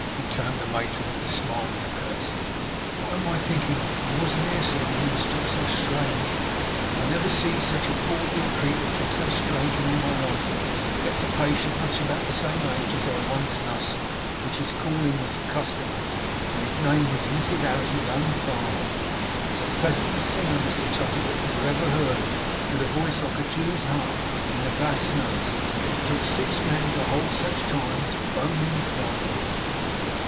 returned the matron with a smile and a curtsey. 'What am I thinking of! You wasn't here, sir, when he was took so strange. I never see a poor dear creetur took so strange in all my life, except a patient much about the same age, as I once nussed, which his calling was the custom 'us, and his name was Mrs Harris's own father, as pleasant a singer, Mr Chuzzlewit, as ever you heerd, with a voice like a Jew's harp in the bass notes, that it took six men to hold at sech times, foaming frightful.